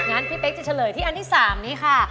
งั้นพี่เป๊กจะเฉลยที่อันที่๓นี้ค่ะ